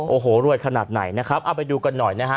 โอ้โหรวยขนาดไหนนะครับเอาไปดูกันหน่อยนะฮะ